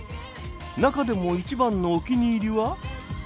中でも一番のお気に入りは？